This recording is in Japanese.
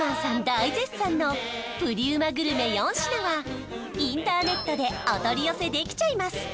大絶賛のプリうまグルメ４品はインターネットでお取り寄せできちゃいます